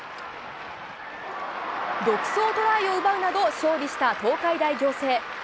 独走トライを奪うなど勝利した東海大仰星。